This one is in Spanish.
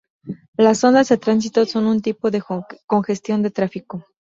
Las ondas de tránsito son un tipo de congestión de tráfico.